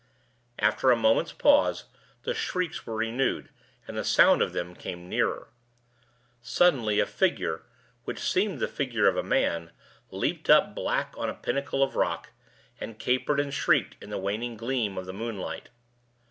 After a moment's pause the shrieks were renewed, and the sound of them came nearer. Suddenly a figure, which seemed the figure of a man, leaped up black on a pinnacle of rock, and capered and shrieked in the waning gleam of the moonlight.